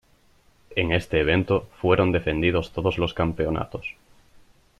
En este evento fueron defendidos todos los campeonatos.